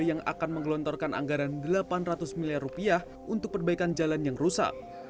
yang akan menggelontorkan anggaran rp delapan ratus miliar rupiah untuk perbaikan jalan yang rusak